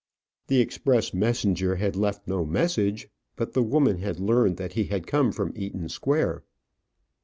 The express messenger had left no message, but the woman had learned that he had come from Eaton Square.